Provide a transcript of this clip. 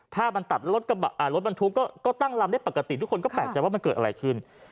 ภาพมันตัดรถบรรทุกก็ตั้งลำได้ปกติทุกคนก็แปลกใจว่ามันเกิดอะไรขึ้น